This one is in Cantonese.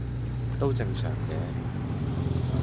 都正常嘅